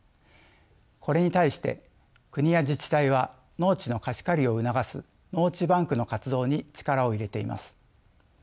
これに対して国や自治体は農地の貸し借りを促す農地バンクの活動に力を入れています。